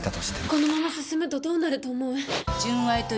このまま進むとどうなると思う？